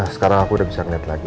sekarang aku udah bisa ngeliat lagi